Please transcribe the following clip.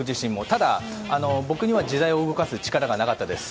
ただ、僕には時代を動かす力がなかったです。